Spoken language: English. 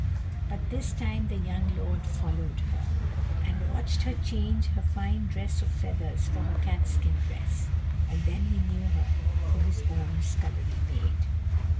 But this time the young lord followed her, and watched her change her fine dress of feathers for her catskin dress, and then he knew her for his own scullery maid.